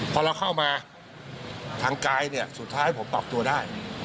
พอเราเข้ามาทางกายเนี่ยสุดท้ายผมปรับตัวได้